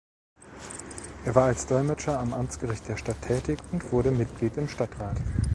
Er war als Dolmetscher am Amtsgericht der Stadt tätig und wurde Mitglied im Stadtrat.